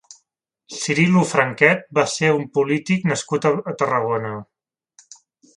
Cirilo Franquet va ser un polític nascut a Tarragona.